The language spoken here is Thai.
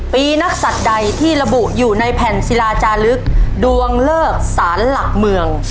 ปีนักศัตริย์ใดที่ระบุอยู่ในแผ่นศิลาจาลึกดวงเลิกสารหลักเมือง